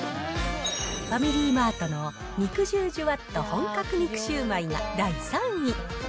ファミリーマートの肉汁じゅわっと本格肉焼売が第３位。